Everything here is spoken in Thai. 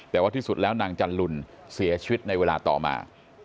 แต่ว่าที่สุดแล้วนางจันลุนเสียชีวิตในเวลาต่อมา